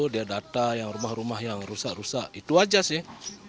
dia data yang rumah rumah yang rusak rusak itu aja sih